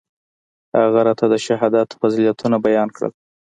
هغه راته د شهادت فضيلتونه بيان کړل.